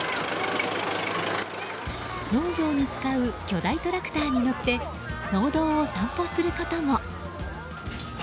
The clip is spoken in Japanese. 農業に使う巨大トラクターに乗って農道を散歩することも。